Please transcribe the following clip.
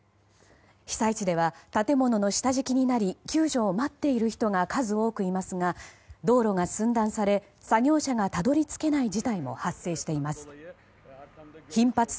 被災地では建物の下敷きになり救助を待っている人が数多くいますが道路が寸断され作業車がたどり着けない事態も発生しています。